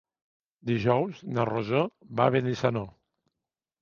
Dijous na Rosó va a Benissanó.